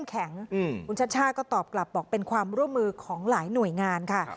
คุณชัชชาก็ตอบกลับบอกเป็นความร่วมมือของหลายหน่วยงานค่ะ